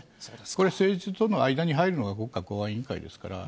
これは政治家との間に入るのが国家公安委員会ですから。